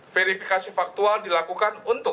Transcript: verifikasi faktual dilakukan untuk